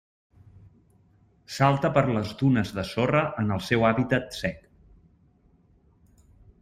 Salta per les dunes de sorra en el seu hàbitat sec.